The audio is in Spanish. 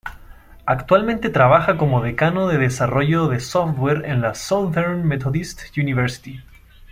Actualmente trabaja como decano de Desarrollo de Software en la Southern Methodist University.